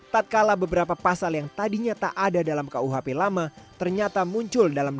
tatkala beberapa pasal yang tadinya tak ada dalam kuhp lama ternyata muncul di dalam kursi